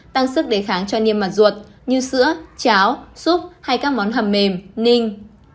tăng sức đề kháng cho niêm mặt ruột như sữa cháo súp hay các món hầm mềm ninh